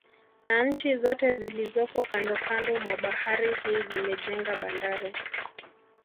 Na nchi zote zilizopo kandokando mwa bahari hii zimejenga bandari